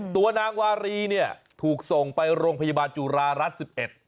ตัวนางวารีเนี่ยถูกส่งไปโรงพยาบาลจุฬารัฐ๑๑